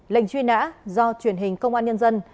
lệnh truy nã do truyền hình công an nhân dân